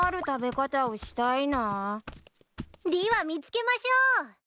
でぃは見つけましょう。